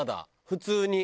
普通に。